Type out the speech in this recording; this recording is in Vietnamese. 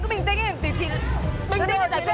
bình tĩnh là giả sử